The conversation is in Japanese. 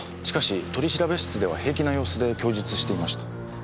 しかし取調室では平気な様子で供述していました。